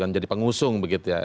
menjadi pengusung begitu ya